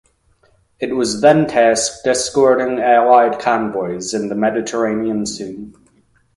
It was then tasked escorting Allied convoys in the Mediterranean Sea.